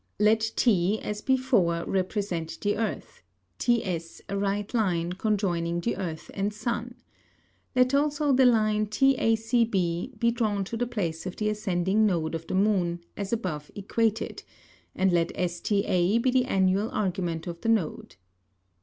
Let T, as before, represent the Earth; TS a Right Line, conjoining the Earth and Sun: Let also the Line TACB, be drawn to the Place of the ascending Node of the Moon, as above equated; and let STA be the Annual Argument of the Node.